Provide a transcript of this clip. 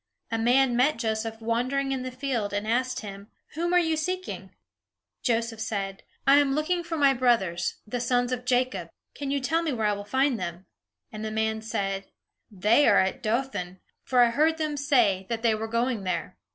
A man met Joseph wandering in the field, and asked him, "Whom are you seeking?" Joseph said, "I am looking for my brothers; the sons of Jacob. Can you tell me where I will find them?" And the man said, "They are at Dothan; for I heard them say that they were going there."